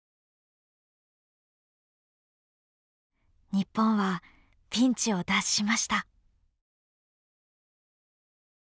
日本はピンチを脱しました。